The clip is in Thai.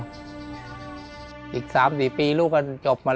และกับผู้จัดการที่เขาเป็นดูเรียนหนังสือ